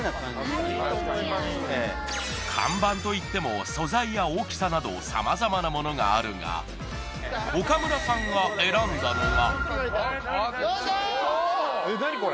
看板といっても、素材や大きさなど、さまざまなものがあるが岡村さんが選んだのが。